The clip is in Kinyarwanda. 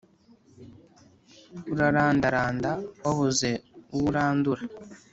urarandaranda wabuze uwurandura